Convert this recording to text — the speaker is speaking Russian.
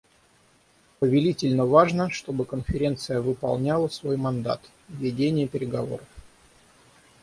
Повелительно важно, чтобы Конференция выполняла свой мандат: ведение переговоров.